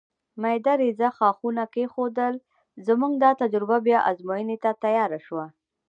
مېده رېزه ښاخونه کېښودل، زموږ دا تجربه بیا ازموینې ته تیاره شوه.